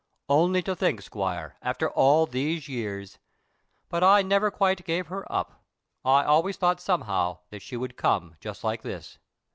Only to think, squire, after all these years! but I never quite gave her up. I always thought somehow that she would come just like this."